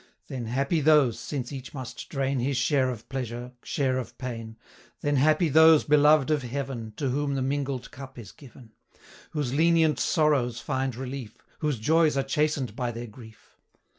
115 Then happy those, since each must drain His share of pleasure, share of pain, Then happy those, beloved of Heaven, To whom the mingled cup is given; Whose lenient sorrows find relief, 120 Whose joys are chasten'd by their grief.